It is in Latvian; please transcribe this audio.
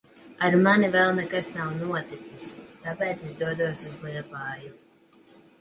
Ar mani vēl nekas nav noticis. Tāpēc es dodos uz Liepāju.